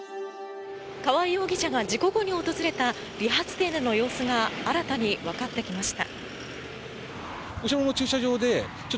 川合容疑者が事故後に訪れた理髪店での様子が新たにわかってきました。